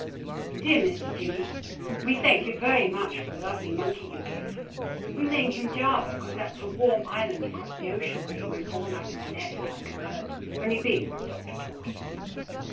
Dear Mr. Jimie We thank you very much for the lovly monkey you give. We name him java because that's a warm iland across the ocian where he was born up in a nest like a bird only big the doctor told us.